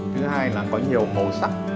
thứ hai là có nhiều màu sắc